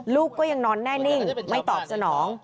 ลูกก็ยังนอนแน่นิ่งไม่ตอบสนอง